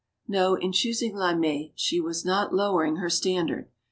No, in choosing Lamet, she was not lowering her standard.